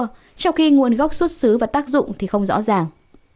trong khi nguồn gốc xuất xứ và tác dụng thì không rõ ràng